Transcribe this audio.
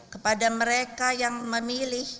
kepada mereka yang memilih